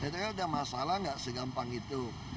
ternyata udah masalah gak segampang itu